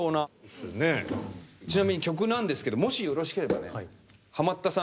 ちなみに曲なんですけどもしよろしければねハマったさん